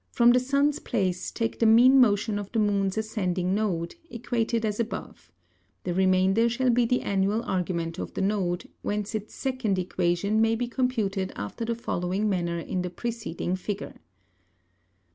From the Sun's Place, take the mean motion of the Moon's ascending Node, equated as above; the Remainder shall be the Annual Argument of the Node, whence its second Equation may be computed after the following manner in the preceding Figure.